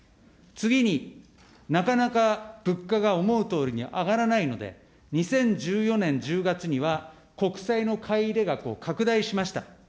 次に、なかなか物価が思うとおりに上がらないので、２０１４年１０月には、国債の買い入れ額を拡大しました。